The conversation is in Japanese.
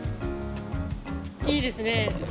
いいですね。